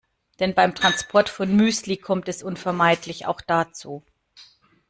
Denn beim Transport von Müsli kommt es unvermeidlich auch dazu.